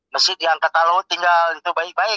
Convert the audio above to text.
masih diangkat alut tinggal itu baik baik